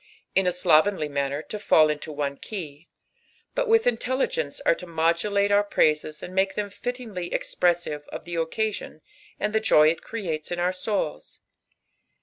in a slovenly manner, to fall into one key. bul with infelU genet are to fnoduJii's our praises and make themfitfin^ty exprtssi\'e of (he occasion and the joy U creates in our soids.